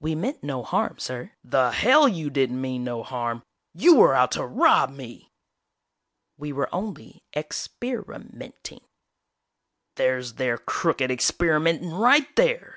"We meant no harm, sir " "The hell you didn't mean no harm! You were out to rob me!" "We were only ex per i ment ing " "There's their crooked experimenting right there!"